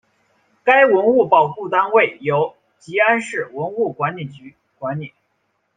该文物保护单位由集安市文物局管理。